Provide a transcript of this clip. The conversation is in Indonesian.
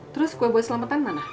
terus gue buat selamatan mana